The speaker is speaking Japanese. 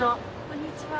こんにちは。